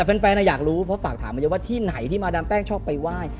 แฟนอยากรู้เพราะฝากถามมาเยอะว่าที่ไหนที่มาดามแป้งชอบไปไหว้